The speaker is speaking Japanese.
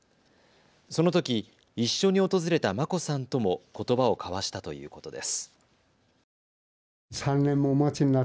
そのとき一緒に訪れた眞子さんともことばを交わしたということです。